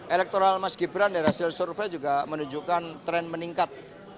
elektoral mas gibran dari hasil survei juga menunjukkan tren meningkat